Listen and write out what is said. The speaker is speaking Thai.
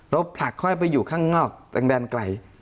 เราผลักค่อยไปอยู่ข้างนอกทางด้านไกล